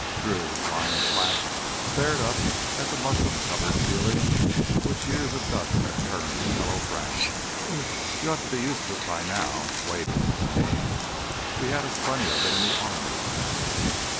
Drew, lying flat, stared up at the muslin covered ceiling which years of dust had turned to yellow brown. "You ought to be used to it by now—waitin', I mean. We had us plenty of it in the army."